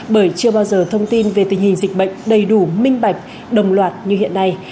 bởi chưa bao giờ thông tin về tình hình dịch bệnh đầy đủ minh bạch đồng loạt như hiện nay